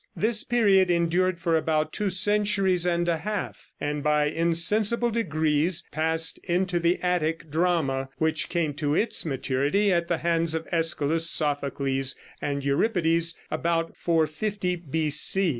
This period endured for about two centuries and a half, and by insensible degrees passed into the Attic drama, which came to its maturity at the hands of Æschylus, Sophocles and Euripides about 450 B.C.